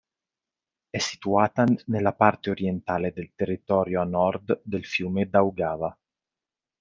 È situata nella parte orientale del territorio a nord del fiume Daugava.